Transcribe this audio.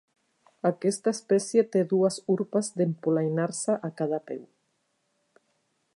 Aquesta espècie té dues urpes d'empolainar-se a cada peu.